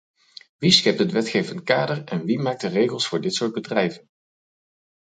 Wie schept het wetgevend kader en wie maakt de regels voor dit soort bedrijven?